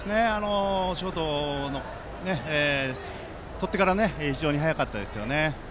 ショート、とってから非常に速かったですね。